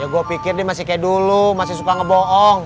gue pikir dia masih kayak dulu masih suka ngebohong